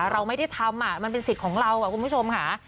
เราไม่ได้ทำมันเป็นสิทธิ์ของเราคุณผู้ชมค่ะ